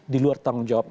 di luar tanggung jawab